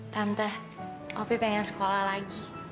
tante aku pengen sekolah lagi